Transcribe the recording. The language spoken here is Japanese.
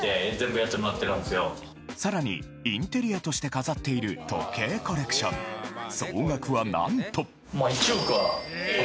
さらにインテリアとして飾っている時計コレクションエーッ！